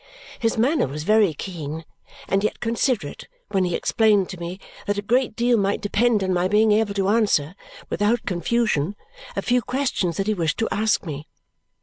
His manner was very keen, and yet considerate when he explained to me that a great deal might depend on my being able to answer, without confusion, a few questions that he wished to ask me.